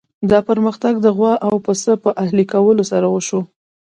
دا پرمختګ د غوا او پسه په اهلي کولو سره وشو.